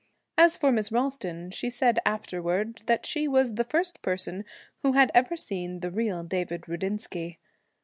As for Miss Ralston, she said afterwards that she was the first person who had ever seen the real David Rudinsky.